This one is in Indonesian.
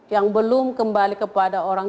yang belum kembali kepada orang